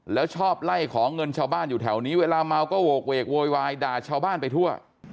แล้วชอบไล่ของเงินชาวบ้านอยู่แถวนี้เวลาเมาก็โหกเวกโวยวายด่าชาวบ้านไปทั่ว